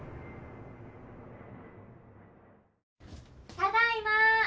・ただいま！